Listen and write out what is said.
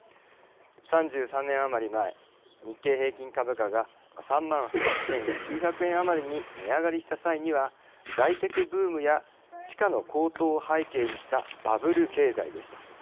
３３年余り前日経平均株価が３万８，９００円余りに値上がりした際には財テクブームや地価の高騰を背景にしたバブル経済でした。